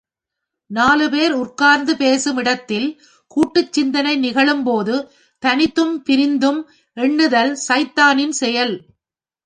நாலுபேர் உட்கார்ந்து பேசும் இடத்தில் கூட்டுச் சிந்தனை நிகழும் போது தனித்தும் பிரிந்தும் எண்ணுதல் சைத்தானின் செயல்.